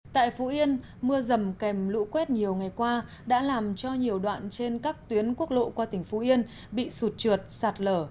tại phú yên mưa rầm kèm lũ quét nhiều ngày qua đã làm cho nhiều đoạn trên các tuyến quốc lộ qua tỉnh phú yên bị sụt trượt sạt lở